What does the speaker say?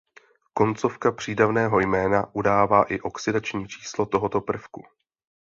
Koncovka přídavného jména udává i oxidační číslo tohoto prvku.